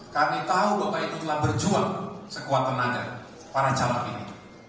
kami tahu bapak itu telah berjuang sekuat tenaga para calon ini